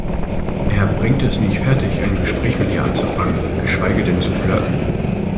Er bringt es nicht fertig, ein Gespräch mit ihr anzufangen, geschweige denn zu flirten.